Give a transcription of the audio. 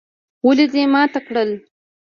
ولې دي مات که؟؟